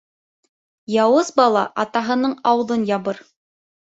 Яуыз бала атаһының ауыҙын ябыр.